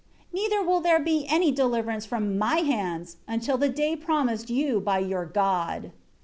Neither will there be any deliverance from my hands until the day promised you by your God."